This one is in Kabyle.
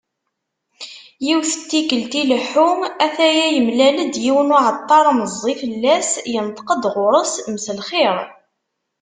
Yiwet n tikkelt, ileḥḥu a-t-aya yemlal-d yiwen n uεeṭṭar meẓẓi fell-as, yenṭeq-d γur-s: Mselxir.